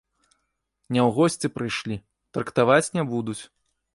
Не ў госці прыйшлі, трактаваць не будуць.